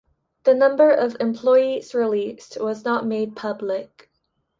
The number of employees released was not made public.